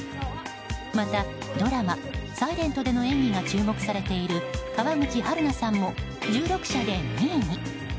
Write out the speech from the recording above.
また、ドラマ「ｓｉｌｅｎｔ」での演技が注目されている川口春奈さんも１６社で２位に。